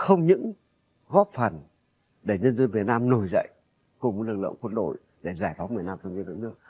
không những góp phần để nhân dân việt nam nổi dậy cùng với lực lượng quân đội để giải phóng việt nam trong những lực lượng nước